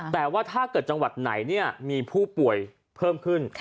แต่ว่าถ้าเกิดจังหวัดไหนมีผู้ป่วยเพิ่มขึ้น